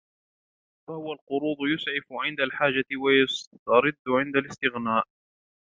فَهُوَ الْقُرُوضُ يُسْعِفُ عِنْدَ الْحَاجَةِ وَيَسْتَرِدُّ عِنْدَ الِاسْتِغْنَاءِ